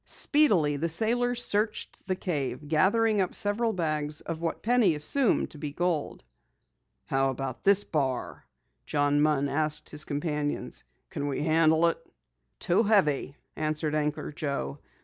Speedily, the sailors searched the cave, gathering up several bags of what Penny assumed to be gold. "How about this bar?" John Munn asked his companions. "Can we handle it?" "Too heavy," answered Anchor Joe.